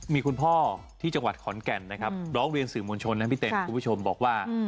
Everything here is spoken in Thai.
มีคุณพ่อที่จังหวัดขอนแก่นนะครับร้องเรียนสื่อมวลชนนะพี่เต้นคุณผู้ชมบอกว่า